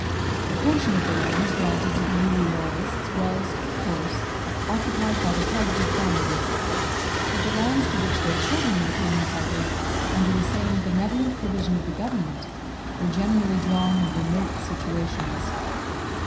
A portion of the lands granted to the U.E. loyalists was, of course, occupied by the heads of families; but the lands to which their children became entitled, under the same benevolent provision of the government, were generally drawn in remote situations.